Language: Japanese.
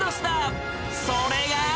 ［それが］